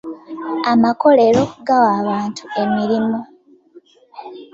Amakolero gawa abantu emirimu.